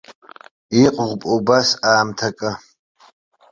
Иҟоуп убас аамҭакы.